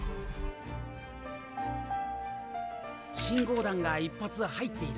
信号弾が１発入っている。